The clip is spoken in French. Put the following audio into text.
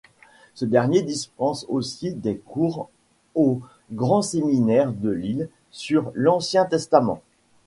Ce dernier dispense aussi des cours au Grand Séminaire de Lille sur l'Ancien Testament.